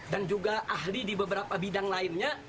dan juga ahli di beberapa bidang lainnya